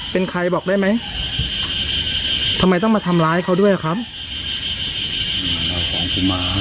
เป็นใครบอกได้ไหมทำไมต้องมาทำร้ายเขาด้วยครับ